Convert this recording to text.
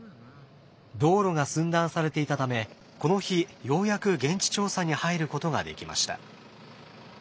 道路が寸断されていたためこの日ようやく現地調査に入ることができました。